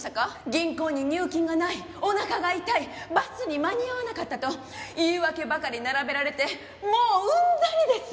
銀行に入金がないおなかが痛いバスに間に合わなかったと言い訳ばかり並べられてもううんざりです！